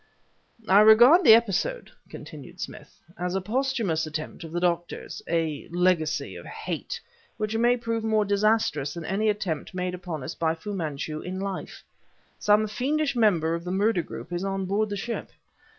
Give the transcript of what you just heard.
"I regard the episode," continued Smith, "as a posthumous attempt of the doctor's; a legacy of hate which may prove more disastrous than any attempt made upon us by Fu Manchu in life. Some fiendish member of the murder group is on board the ship.